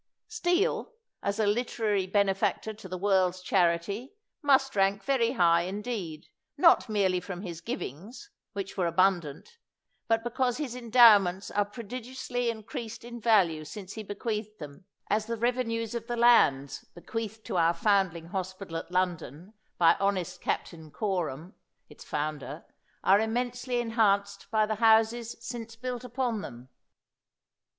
Steele, as a literaiy benefactor to the world's charity, must rank very high, indeed, not merely from his givings, which were abundant, but be cause his endowments are prodigiously increased in value since he bequeathed them, as the rev enues of the lands, bequeathed to our Found ling Hospital at London, by honest Captain Co ram, its founder, are immensely enhanced by the houses since built upon them.